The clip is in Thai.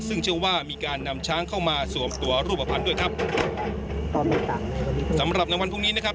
ซึ่งเชื่อว่ามีการนำช้างเข้ามาสวมตัวรูปภัณฑ์ด้วยครับสำหรับในวันพรุ่งนี้นะครับ